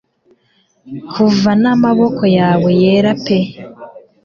Kuva n'amaboko yawe yera pe